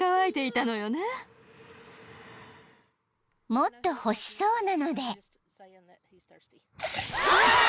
［もっと欲しそうなので］